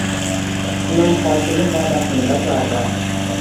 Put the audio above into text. Tuman hokimi va’dasini bajardi